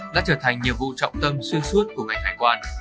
đã trở thành nhiệm vụ trọng tâm xuyên suốt của ngành hải quan